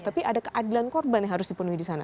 jadi ada keadilan korban yang harus dipenuhi di sana